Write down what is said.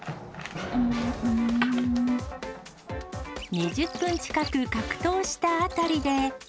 ２０分近く格闘したあたりで。